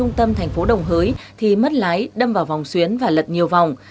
trong thời gian thành phố đồng hới thì mất lái đâm vào vòng xuyến và lật nhiều vòng